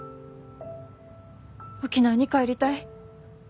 沖縄に帰りたい。